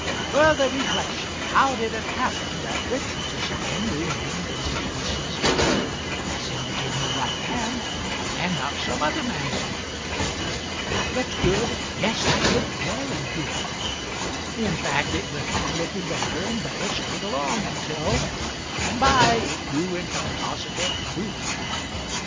Further reflection. How did it happen that Richards's name remained in Stephenson's mind as indicating the right man, and not some other man's name? That looked good. Yes, that looked very good. In fact it went on looking better and better, straight along until by and by it grew into positive proof.